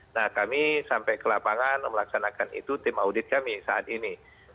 nah kami sampai ke lapangan melaksanakan itu tim audit kami saat ini